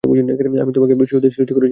আমি তোমাকে বিশেষ উদ্দেশ্যে সৃষ্টি করেছিলাম।